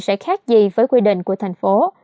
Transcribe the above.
sẽ khác gì với quy định của thành phố